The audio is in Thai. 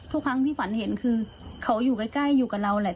ทุกครั้งที่ฝันเห็นคือเขาอยู่ใกล้อยู่กับเราแหละ